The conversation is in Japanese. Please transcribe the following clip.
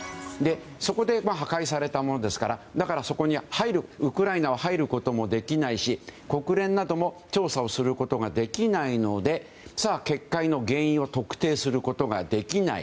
そこで破壊されたもんですからそこに、ウクライナは入ることもできないし国連なども調査をすることができないので決壊の原因を特定することができない。